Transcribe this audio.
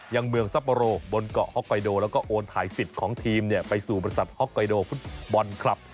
ยังเมืองซัปโบโรบนเกาะฮอกไกโดแล้วก็โอนถ่ายสิทธิ์ของทีมไปสู่บริษัทฮ็อกไกโดฟุตบอลคลับ